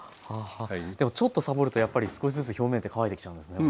ははあでもちょっとサボるとやっぱり少しずつ表面って乾いてきちゃうんですね。